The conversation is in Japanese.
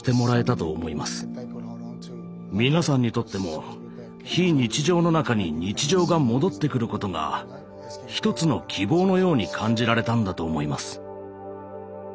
皆さんにとっても非日常の中に日常が戻ってくることが一つの希望のように感じられたんだと思います。